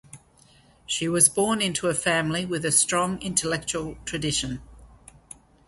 She was born into a family with a strong intellectual tradition.